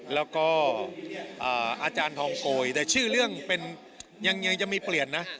แล้วก็อาจารย์ทองโกยแต่ชื่อเรื่องเป็นยังมีเปลี่ยนนะ